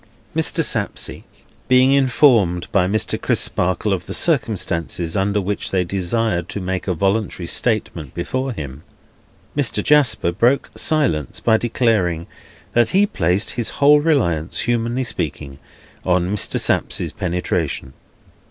Mr. Sapsea being informed by Mr. Crisparkle of the circumstances under which they desired to make a voluntary statement before him, Mr. Jasper broke silence by declaring that he placed his whole reliance, humanly speaking, on Mr. Sapsea's penetration.